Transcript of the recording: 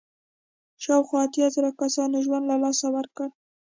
شاوخوا اتیا زره کسانو ژوند له لاسه ورکړ.